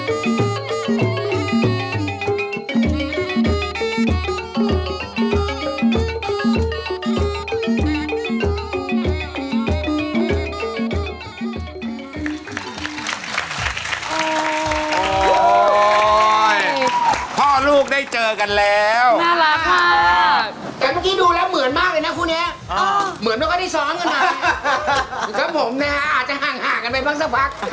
อาจจะห่างไปพัก